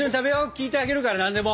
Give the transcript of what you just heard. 聞いてあげるから何でも。